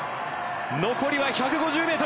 残りは１５０ｍ。